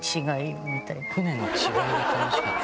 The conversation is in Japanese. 船の違いが楽しかった？